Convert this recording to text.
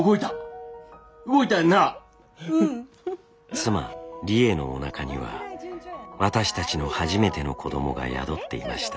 妻理栄のおなかには私たちの初めての子どもが宿っていました。